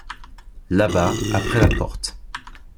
là-bas, après la porte.